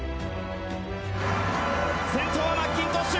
先頭はマッキントッシュ。